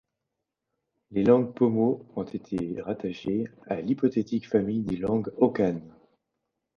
Les langues pomo ont été rattachées à l'hypothétique famille des langues hokanes.